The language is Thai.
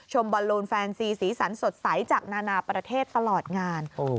บอลลูนแฟนซีสีสันสดใสจากนานาประเทศตลอดงาน